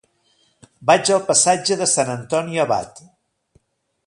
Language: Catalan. Vaig al passatge de Sant Antoni Abat.